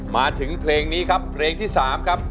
มาถึงเพลงนี้ครับเพลงที่๓ครับ